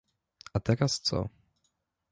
A teraz co?